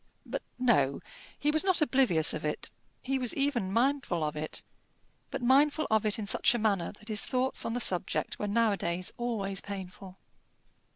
But no: he was not oblivious of it. He was even mindful of it; but mindful of it in such a manner that his thoughts on the subject were nowadays always painful.